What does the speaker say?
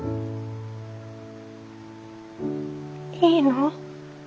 いいの？